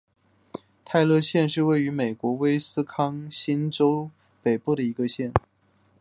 泰勒县是位于美国威斯康辛州中北部的一个县。